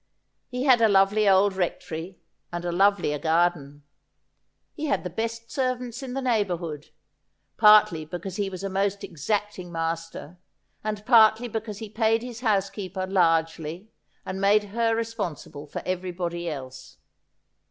He had a lovely old Rectory and a lovelier garden ; he had the best servants in the neighbourhood — partly because he was a most exacting master, and partly because he paid his house keeper largely, and made her responsible for everybody else.